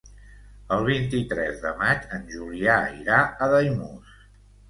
El vint-i-tres de maig en Julià irà a Daimús.